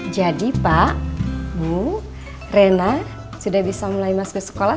jadi pak bu rena sudah bisa mulai masuk ke sekolah